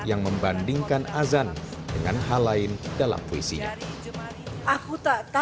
yang membandingkan azan dengan hal lain dalam puisinya